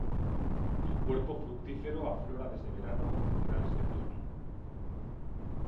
El cuerpo fructífero aflora desde verano a finales de otoño.